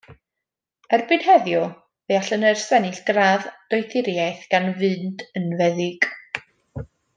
Erbyn heddiw, fe all y nyrs ennill gradd doethuriaeth, gan fynd yn feddyg.